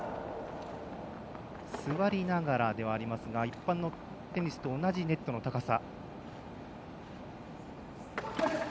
座りながらではありますが一般のテニスと同じネットの高さ。